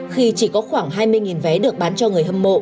khi chỉ có khoảng hai mươi vé được bán cho người hâm mộ